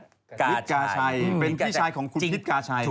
เป็นพี่ชายของคุณลิฟกาชัย